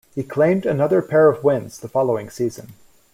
He claimed another pair of wins the following season.